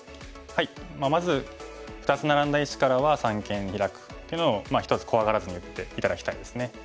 まず２つナラんだ石からは三間にヒラくというのを一つ怖がらずに打って頂きたいですね。